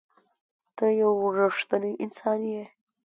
ته یو رښتنی انسان یې.